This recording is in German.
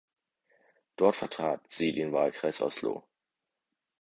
Dort vertrat sie den Wahlkreis Oslo.